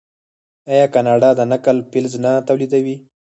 آیا کاناډا د نکل فلز نه تولیدوي؟